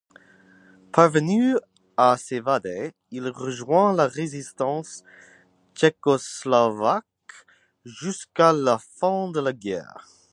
Parvenu à s'évader, il rejoint la résistance tchécoslovaque jusqu'à la fin de la guerre.